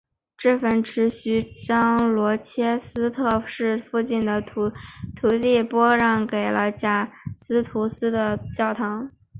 这份特许状将罗切斯特市附近的土地拨让给了贾斯图斯的教堂。